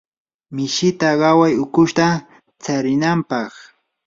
mishita qayay ukushta tsarinanpaq.